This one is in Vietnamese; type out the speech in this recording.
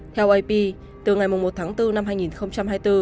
theo ap từ ngày một tháng bốn năm hai nghìn hai mươi một